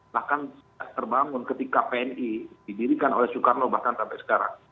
bahkan tidak terbangun ketika pni didirikan oleh soekarno bahkan sampai sekarang